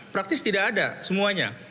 praktis tidak ada semuanya